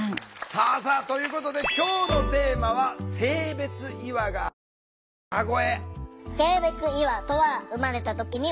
さあさあということで今日のテーマは「性別違和がある人の歌声！」。